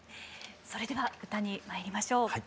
それでは歌にまいりましょう。